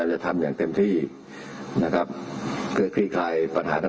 มีศาสตราจารย์พิเศษวิชามหาคุณเป็นประเทศด้านกรวมความวิทยาลัยธรม